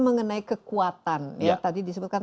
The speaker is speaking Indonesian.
mengenai kekuatan tadi disebutkan